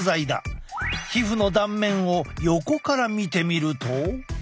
皮膚の断面を横から見てみると。